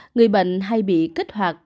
người bệnh hay bị kích hoạt